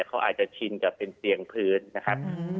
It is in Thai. เขาอาจจะชินกับเป็นเตียงพื้นนะครับ